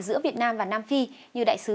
giữa việt nam và nam phi như đại sứ